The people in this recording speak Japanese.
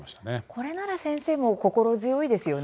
これなら先生も心強いですよね。